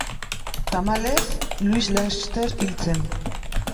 Tamalez, Luis laster hil zen.